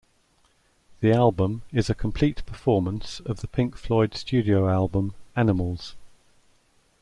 The album is a complete performance of the Pink Floyd studio album "Animals".